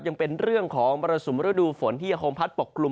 ยังเป็นเรื่องของมรสุมฤดูฝนที่ยังคงพัดปกกลุ่ม